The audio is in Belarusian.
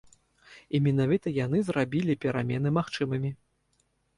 І менавіта яны зрабілі перамены магчымымі.